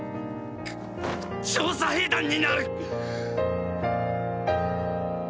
調査兵団になる！